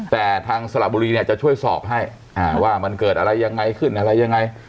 แต่ทางสระบุรีเนี่ยจะช่วยสอบให้ว่ามันเกิดอะไรยังไงขึ้นอะไรยังไง